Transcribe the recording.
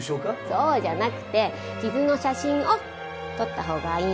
そうじゃなくて傷の写真を撮ったほうがいいんじゃない？